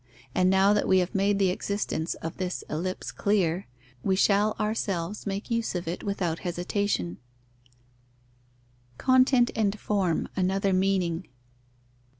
And now that we have made the existence of this ellipse clear, we shall ourselves make use of it without hesitation. _Content and form: another meaning.